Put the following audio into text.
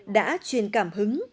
đã truyền cảm hứng